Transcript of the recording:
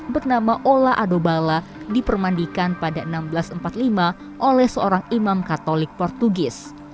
bernama ola adobala dipermandikan pada seribu enam ratus empat puluh lima oleh seorang imam katolik portugis